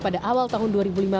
pada awal tahun dua ribu lima belas